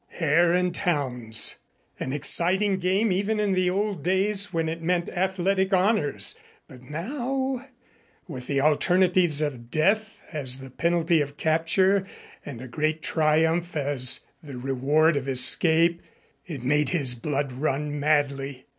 Hare and hounds! An exciting game even in the old days when it meant athletic honors, but now, with the alternatives of death as the penalty of capture and a great triumph as the reward of escape, it made his blood run madly.